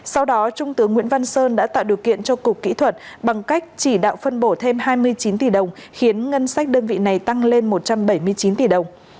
sau đó trung tướng nguyễn văn sơn đã tạo điều kiện cho cục kỹ thuật bằng cách chỉ đạo phân bổ thêm hai mươi chín tỷ đồng khiến ngân sách đơn vị này tăng lên một trăm bảy mươi chín tỷ đồng